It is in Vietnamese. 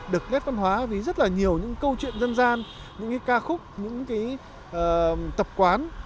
được nét văn hóa vì rất là nhiều những câu chuyện dân gian những ca khúc những tập quán